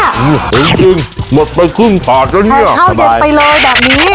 จริงจริงหมดไปครึ่งขาดแล้วเนี้ยแค่เท่าเดียวไปเลยแบบนี้